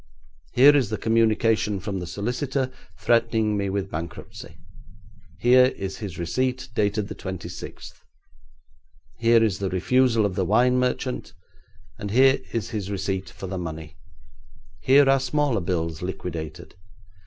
Here is the communication from the solicitor threatening me with bankruptcy; here is his receipt dated the twenty sixth; here is the refusal of the wine merchant, and here is his receipt for the money. Here are smaller bills liquidated.